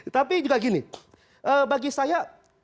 tapi juga gini bagi saya